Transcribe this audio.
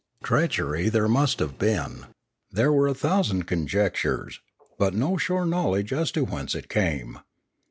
Treachery there must have been ; there were a thousand conjectures, but no sure knowledge as to whence it came.